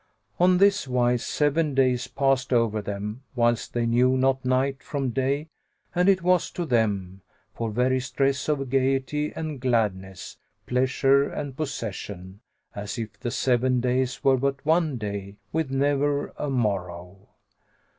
On this wise seven days passed over them whilst they knew not night from day and it was to them, for very stress of gaiety and gladness, pleasure and possession, as if the seven days were but one day with ne'er a morrow.